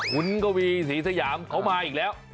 คุณกวีศรีสยามเขามาอีกแล้ว